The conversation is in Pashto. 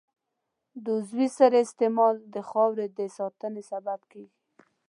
د عضوي سرې استعمال د خاورې د ساتنې سبب کېږي.